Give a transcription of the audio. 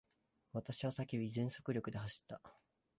私は叫び、全速力で走った。